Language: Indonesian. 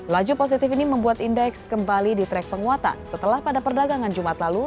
laju positif ini membuat indeks kembali di track penguatan setelah pada perdagangan jumat lalu